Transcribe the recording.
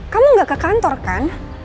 kamu gak ke kantor kan